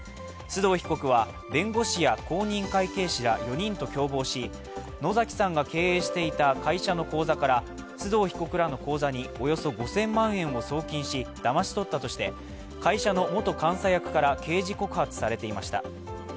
須藤被告は弁護士や公認会計士ら４人と共謀し野崎さんが経営していた会社の口座から須藤被告らの口座におよそ５０００万円を送金し、だまし取ったとして、会社の元監査役から刑事告発されていました。